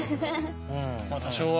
まあ多少は。